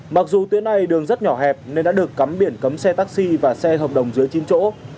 mặc dù tuyến này đường rất nhỏ hẹp nên đã được cắm biển cấm xe taxi và xe hợp đồng dưới chín chỗ